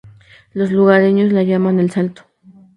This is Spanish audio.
Los lugareños la llaman "El Salto".